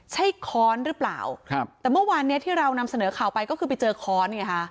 ใช่ค้อนหรือเปล่าแต่เมื่อวานที่เรานำเสนอข่าวไปก็คือไปเจอค้อน